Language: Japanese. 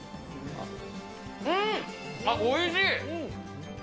ん、あっ、おいしい。